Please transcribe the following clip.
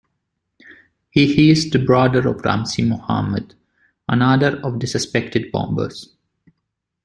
He is the brother of Ramzi Mohammad, another of the suspected bombers.